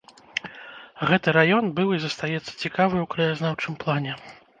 Гэты раён быў і застаецца цікавы ў краязнаўчым плане.